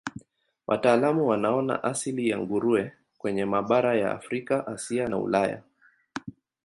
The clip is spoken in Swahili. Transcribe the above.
Wataalamu wanaona asili ya nguruwe kwenye mabara ya Afrika, Asia na Ulaya.